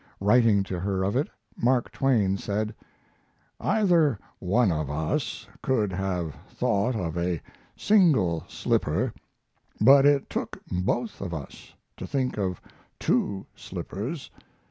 Writing to her of it, Mark Twain said: Either one of us could have thought of a single slipper, but it took both of us to think of two slippers.